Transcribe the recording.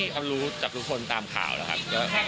เขารู้จากทุกคนตามข่าวนะครับ